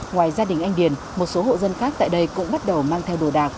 ngoài gia đình anh điền một số hộ dân khác tại đây cũng bắt đầu mang theo đồ đạc